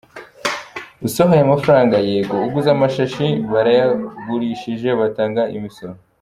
Usohoye amafaranga yego, uguze amashashi, barayagurishije, batanga imisoro.